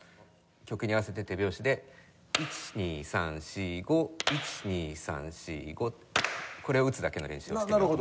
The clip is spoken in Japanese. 曲に合わせて手拍子で１２３４５１２３４５これを打つだけの練習をしていきます。